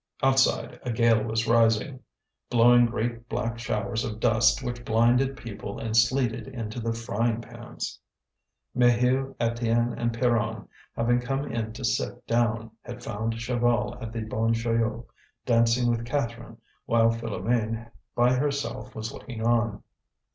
Outside, a gale was rising, blowing great black showers of dust which blinded people and sleeted into the frying pans. Maheu, Étienne, and Pierron, having come in to sit down, had found Chaval at the Bon Joyeux dancing with Catherine, while Philoméne by herself was looking on.